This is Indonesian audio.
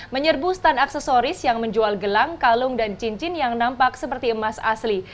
menyerbu stand aksesoris yang menjual gelang kalung dan cincin yang nampak seperti emas asli